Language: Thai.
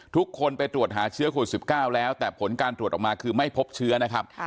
ทุกคนไปตรวจหาเชื้อโควิด๑๙แล้วแต่ผลการตรวจออกมาคือไม่พบเชื้อนะครับ